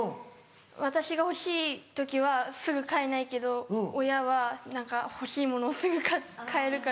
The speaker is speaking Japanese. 私が欲しい時はすぐ買えないけど親は欲しいものをすぐ買えるから。